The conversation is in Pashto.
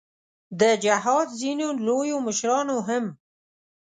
د جهاد ځینو لویو مشرانو هم.